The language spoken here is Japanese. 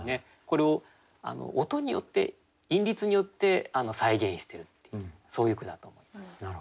これを音によって韻律によって再現してるっていうそういう句だと思います。